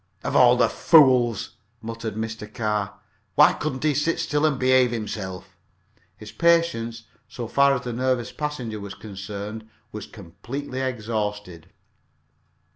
"Of all the fools!" muttered Mr. Carr. "Why couldn't he sit still and behave himself?" His patience, so far as the nervous passenger was concerned, was completely exhausted.